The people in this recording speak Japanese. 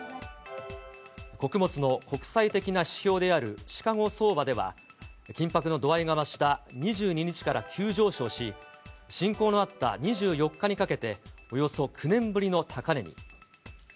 穀物の国際的な指標であるシカゴ相場では、緊迫の度合いが増した２２日から急上昇し、侵攻のあった２４日にかけて、およそ９年ぶりの高値に。